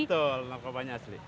betul narkobanya asli